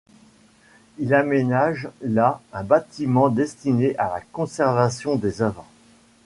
Il aménage là un bâtiment destiné à la conservation des œuvres.